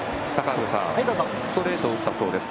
ストレートを打ったそうです。